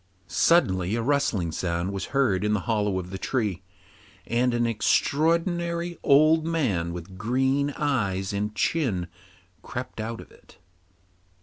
Suddenly a rustling sound was heard in the hollow of the tree, and an extraordinary old man with green eyes and chin crept out of it.